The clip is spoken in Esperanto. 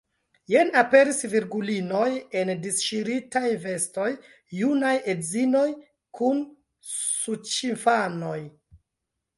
Jen aperis virgulinoj en disŝiritaj vestoj, junaj edzinoj kun suĉinfanoj.